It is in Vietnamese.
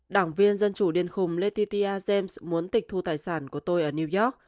đảng viên dân chủ điên khùng letitia james muốn tịch thu tài sản của tôi ở new york